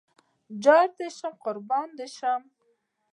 جار دې شم قربان دې شم